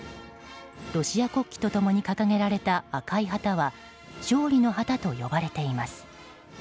ロシア国旗と共に掲げられた赤い旗は勝利の旗と呼ばれています。